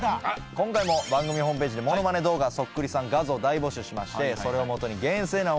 今回も番組ホームページでものまね動画そっくりさん画像大募集しましてそれをもとに厳正なオーディションを行いました。